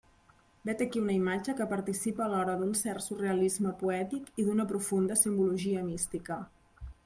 Vet aquí una imatge que participa alhora d'un cert surrealisme poètic i d'una profunda simbologia mística.